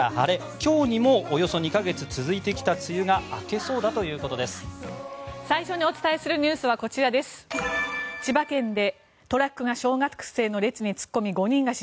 今日にもおよそ２か月続いてきた梅雨が明けそうだということです。